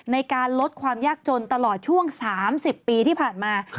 ในการลดความยากจนตลอดช่วง๓๐ปีที่ผ่านมา